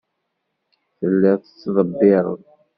Telliḍ tettḍebbireḍ.